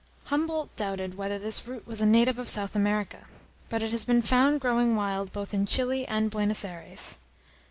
Humboldt doubted whether this root was a native of South America; but it has been found growing wild both in Chili and Buenos Ayres.